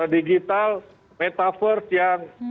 digital metaverse yang